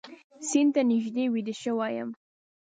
سیند ته نږدې ویده شوی یم